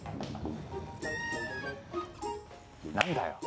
何だよ。